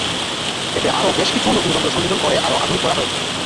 এতে আরও বেশ কিছু নতুন যন্ত্র সংযোজন করে আরও আধুনিক করা হয়েছে।